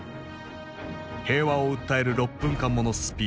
平和を訴える６分間ものスピーチ。